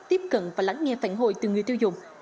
tiếp cận và lắng nghe phản hồi từ người tiêu dùng